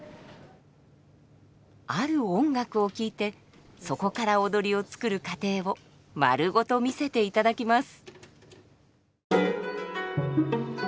ある音楽を聴いてそこから踊りを作る過程を丸ごと見せていただきます。